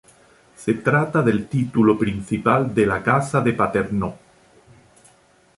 Se trata del título principal de la casa de Paternò.